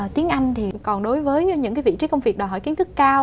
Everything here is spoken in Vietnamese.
tiếng anh thì còn đối với những vị trí công việc đòi hỏi kiến thức cao